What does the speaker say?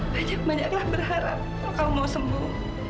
banyak banyaklah berharap kamu mau sembuh